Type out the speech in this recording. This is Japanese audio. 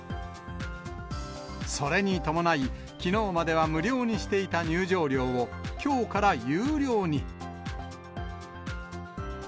それに伴い、きのうまでは無料にしていた入場料を、きょうから有料に。